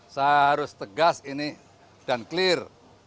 saya harus tegas ini dan clear